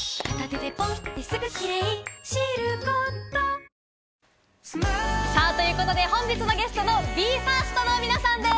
サッ！ということで本日のゲストのＢＥ：ＦＩＲＳＴの皆さんです！